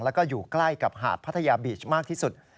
แล้วก็อยู่ใกล้กับหาดพัทยาบีชมากที่สุด